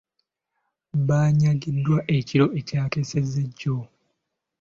Baanyagiddwa ekiro ekyakeesezza ejjo.